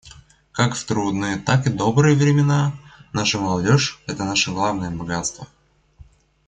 Как в трудные, так и добрые времена наша молодежь — это наше главное богатство.